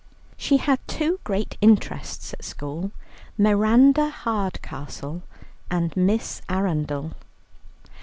She had two great interests at school, Miranda Hardcastle and Miss Arundel.